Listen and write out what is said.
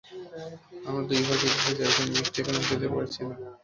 আমরা দুই ভাই ঈদগাহে যাব কিন্তু বৃষ্টির কারণে যেতে পারছি না।